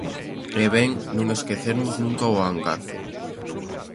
É ben non esquecermos nunca o angazo.